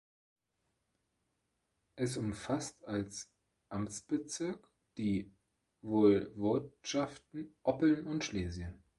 Es umfasst als Amtsbezirk die Woiwodschaften Oppeln und Schlesien.